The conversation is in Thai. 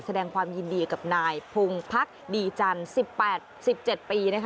แสดงความยินดีกับนายพงพักดีจันทร์๑๘๑๗ปีนะคะ